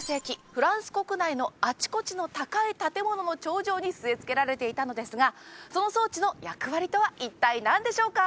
フランス国内のあちこちの高い建物の頂上に据え付けられていたのですがその装置の役割とは一体何でしょうか？